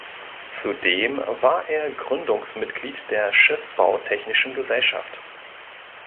Zudem war er Gründungsmitglied der Schiffbautechnischen Gesellschaft.